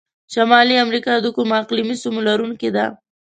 شمالي امریکا د کومو اقلیمي سیمو لرونکي ده؟